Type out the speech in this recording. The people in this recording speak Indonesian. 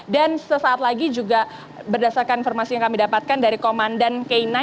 dan sesaat lagi juga berdasarkan informasi yang kami dapatkan dari komandan k sembilan